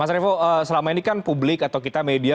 mas revo selama ini kan publik atau kita media